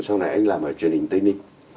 sau này anh làm ở truyền hình tây ninh